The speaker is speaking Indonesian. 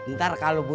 ntar kalau bunuh